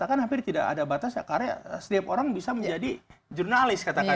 kan hampir tidak ada batasnya karena setiap orang bisa menjadi jurnalis katakan